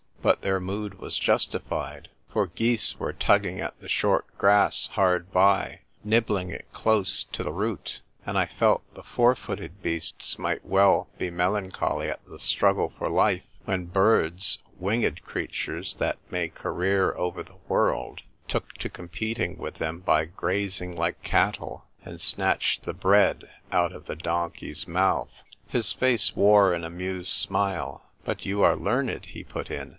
" But their mood was justified ; for geese were tugging at the short grass hard by, nibbling it close to the root ; and I felt the four footed beasts might well be melancholy at the struggle for life when birds, winged creatures that may career over the world, took to competing with them by grazing like cattle, and snatched the bread out of the donkey's mouth." His face wore an amused smile. " But you are learned," he put in.